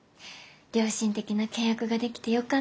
良心的な契約ができてよかったって。